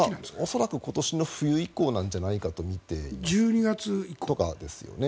恐らく今年の冬以降なんじゃないかと見ています。とかですよね。